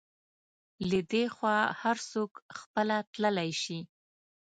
له دې خوا هر څوک خپله تللی شي.